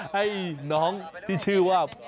ให้น้องที่ชื่อว่า